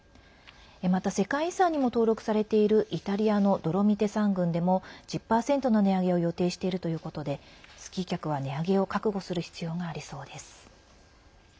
また世界遺産にも登録されているイタリアのドロミテ山群でも１０％の値上げを予定しているということでスキー客は値上げを覚悟する必要がありそうです。